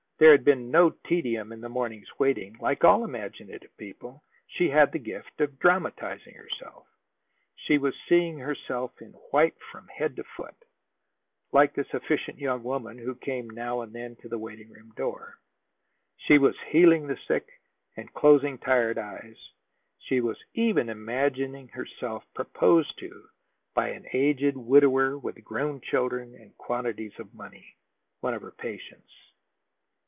There had been no tedium in the morning's waiting. Like all imaginative people, she had the gift of dramatizing herself. She was seeing herself in white from head to foot, like this efficient young woman who came now and then to the waiting room door; she was healing the sick and closing tired eyes; she was even imagining herself proposed to by an aged widower with grown children and quantities of money, one of her patients.